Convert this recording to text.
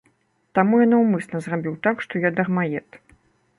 Таму я наўмысна зрабіў так, што я дармаед.